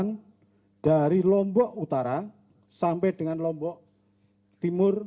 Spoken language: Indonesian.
dan dari lombok utara sampai dengan lombok timur